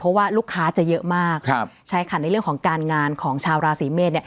เพราะว่าลูกค้าจะเยอะมากใช่ค่ะในเรื่องของการงานของชาวราศีเมษเนี่ย